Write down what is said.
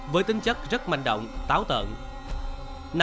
với tính chất rất manh động táo tợn